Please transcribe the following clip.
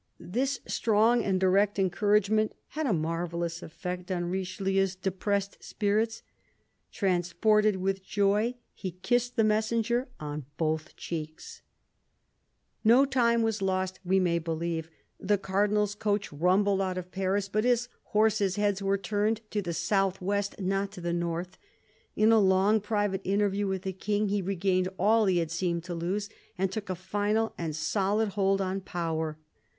This strong and direct encouragement had a marvellous eff"ect on Richelieu's depressed spirits. " Transported with joy, he kissed the messenger on both cheeks." THE CARDINAL 215 No time was lost, we may well believe. The Cardinal's coach rumbled out of Paris, but his horses' heads were turned to the south west, not to the north. In a long private interview with the King he regained all he had seemed to lose, and took a final and solid hold on power.